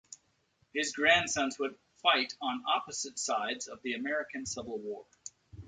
His grandsons would fight on opposite sides in the American Civil War.